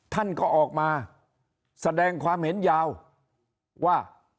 ท่านก็ออกมาแสดงความเห็นยาวว่า